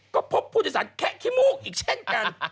ก็พบผู้โดยสารแคะขี้มูกอีกเช่นกัน